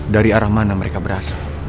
dari arah mana mereka berasal